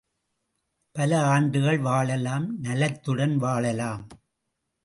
பல ஆண்டுகள் வாழலாம் நலத்துடன் வாழலாம்!